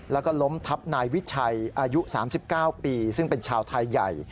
แล้วก็ล้มทับนายวิชัยอายุ๓๙ปีซึ่งเป็นชาวไทยใหญ่